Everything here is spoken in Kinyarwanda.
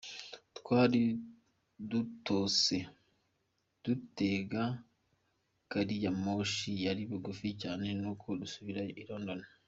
Twari dutose, dutega gariyamoshi yari bugufi cyane nuko dusubira" i London.